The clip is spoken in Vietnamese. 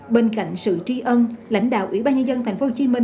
bên cạnh sự tri ân lãnh đạo ủy ban nhân dân tp hcm